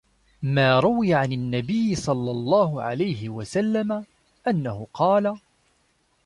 مَا رُوِيَ عَنْ النَّبِيِّ صَلَّى اللَّهُ عَلَيْهِ وَسَلَّمَ أَنَّهُ قَالَ